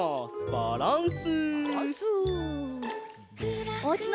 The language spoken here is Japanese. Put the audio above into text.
バランス！